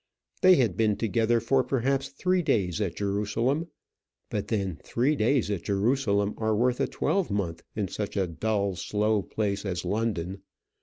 They had been together for perhaps three days at Jerusalem, but then three days at Jerusalem are worth a twelvemonth in such a dull, slow place as London.